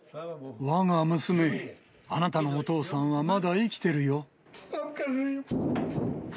わが娘へ、あなたのお父さんはまだ生きてるよ。